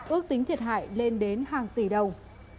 ước tính thiệt hại lên đến hàng tỷ đồng